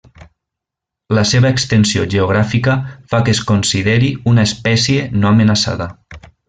La seva extensió geogràfica fa que es consideri una espècie no amenaçada.